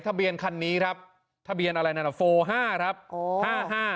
ทะเบียนคันนี้ครับทะเบียนอะไรนั่นน่ะโฟห้าครับโอ้ห้าห้า